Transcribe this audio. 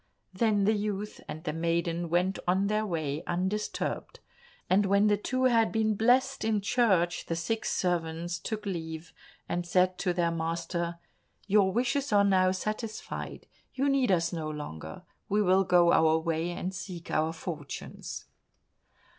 Then the youth and the maiden went on their way undisturbed, and when the two had been blessed in church, the six servants took leave, and said to their master, "Your wishes are now satisfied, you need us no longer, we will go our way and seek our fortunes."